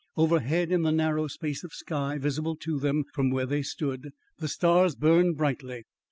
Overhead in the narrow space of sky visible to them from where they stood, the stars burned brightly.